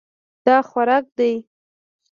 دا خوراک ده.